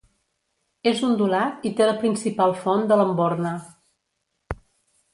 És ondulat i té la principal font de l'Enborne.